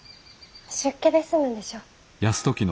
出家で済むんでしょう。